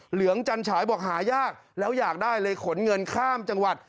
เหลืองจันฉายบอกหายากแล้วอยากได้เลยขนเงินข้ามจังหวัด